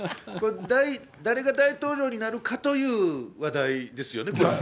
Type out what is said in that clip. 誰が大統領になるかという話題ですよね？